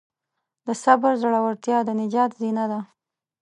د صبر زړورتیا د نجات زینه ده.